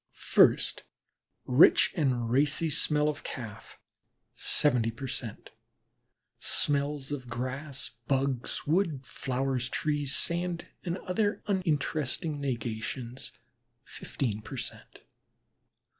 First, rich and racy smell of Calf, seventy per cent.; smells of grass, bugs, wood, flowers, trees, sand, and other uninteresting negations, fifteen per cent.